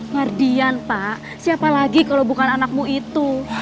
mardian pak siapa lagi kalau bukan anakmu itu